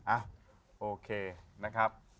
อ่ะโอเคนะครับ